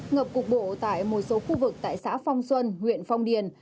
ngập cục bộ tại một số khu vực tại xã phong xuân huyện phong điền